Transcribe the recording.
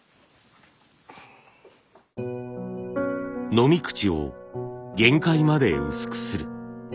飲み口を限界まで薄くする。